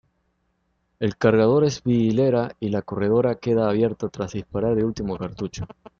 El cargador es bi-hilera y la corredera queda abierta tras disparar el último cartucho.